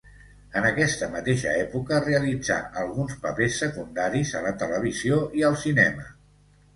En aquesta mateixa època realitzà alguns papers secundaris a la televisió i al cinema.